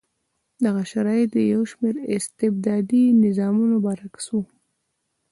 دغه شرایط د یو شمېر استبدادي نظامونو برعکس و.